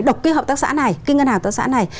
độc cái hợp tác xã này cái ngân hàng hợp tác xã này